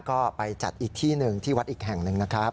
ก็ไปจัดอีกที่หนึ่งที่วัดอีกแห่งหนึ่งนะครับ